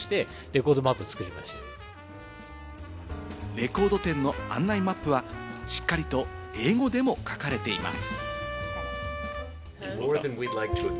レコード店の案内マップはしっかりと英語でも書かれています。